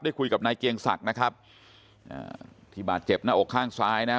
คุยกับนายเกียงศักดิ์นะครับอ่าที่บาดเจ็บหน้าอกข้างซ้ายนะฮะ